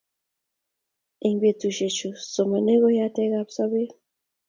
Eng betushe chu somanee ko yateekab sobee.